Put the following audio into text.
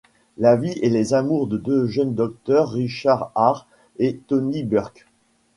La vie et les amours de deux jeunes docteurs, Richard Hare et Tony Burke.